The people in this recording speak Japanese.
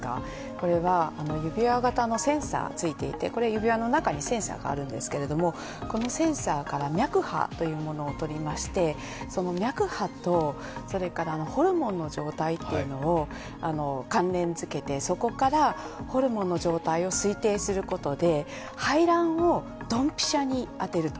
これは指輪型のセンサーついていて、これ、指輪の中にセンサーがあるんですけれどもこのセンサーから脈波というものをとりまして、脈波とホルモンの状態というのを関連づけてそこからホルモンの状態を推定することで排卵をドンピシャに当てると。